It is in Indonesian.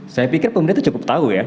saya pikir pemerintah itu cukup tahu ya